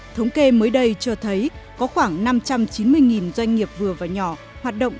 thống kê mới đây cho thấy có khoảng năm trăm chín mươi doanh nghiệp vừa và nhỏ hoạt động